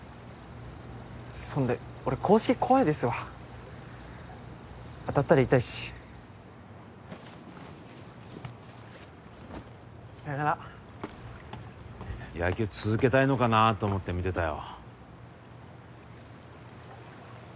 そんで俺硬式怖いですわ当たったら痛いしさよなら野球続けたいのかなと思って見てたよ